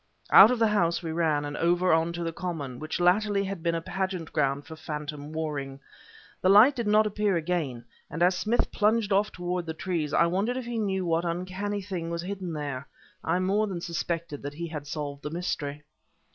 Out of the house we ran, and over onto the common, which latterly had been a pageant ground for phantom warring. The light did not appear again; and as Smith plunged off toward the trees, I wondered if he knew what uncanny thing was hidden there. I more than suspected that he had solved the mystery.